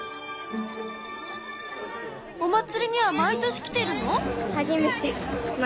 お祭りには毎年来てるの？